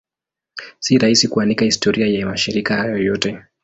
Si rahisi kuandika historia ya mashirika hayo yote.